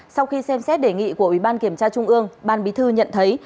sau khi xem xét đề nghị của ủy ban kiểm tra trung ương ban bí thư nhận thấy